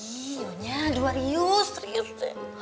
iya nyonya duh warius serius deh